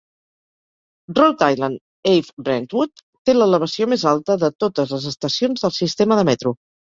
Rhode Island Ave-Brentwood té l'elevació més alta de totes les estacions del sistema de metro.